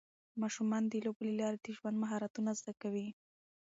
ماشومان د لوبو له لارې د ژوند مهارتونه زده کوي.